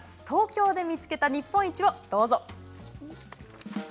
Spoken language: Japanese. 東京で見つけた日本一をどうぞ。